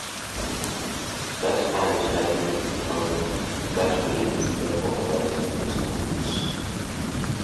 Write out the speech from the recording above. That ain't nothing to be proud of, that means their forefathers was crooks.